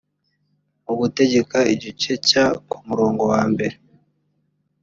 mu gutegeka igice cya ku murongo wa mbere